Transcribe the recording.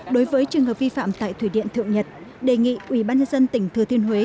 đối với trường hợp vi phạm tại thủy điện thượng nhật đề nghị ủy ban nhân dân tỉnh thừa thiên huế